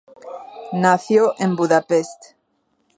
Nació en Budapest.